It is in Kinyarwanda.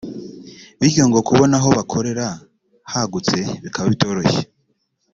bityo ngo kubona aho bakorera hagutse bikaba bitoroshye